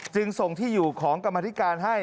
จึงส่งที่อยู่ของกรรมธิการให้